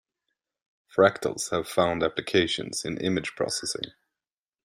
Fractals have found applications in image processing.